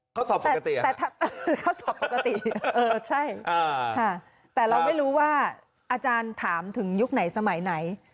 ข้อสอบปกติเออใช่แต่เราไม่รู้ว่าอาจารย์ถามถึงยุคไหนสมัยไหน